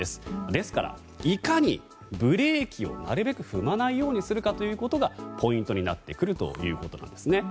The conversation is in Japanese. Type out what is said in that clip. ですから、いかにブレーキをなるべく踏まないようにするかがポイントになってくるということです。